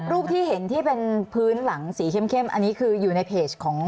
รูปที่เห็นที่เป็นพื้นหลังสีเข้มอันนี้คืออยู่ในเพจของ